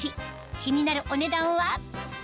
気になるお値段は？